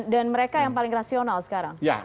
dan mereka yang paling rasional sekarang